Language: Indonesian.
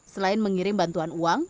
selain mengirim bantuan uang